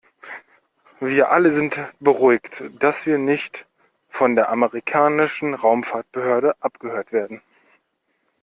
Wir alle sind beruhigt, dass wir nicht von der amerikanischen Raumfahrtbehörde abgehört werden.